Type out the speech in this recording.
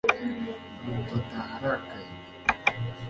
nuko ataha arakaye